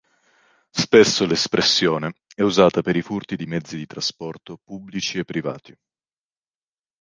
Spesso l'espressione è usata per i furti di mezzi di trasporto pubblici e privati.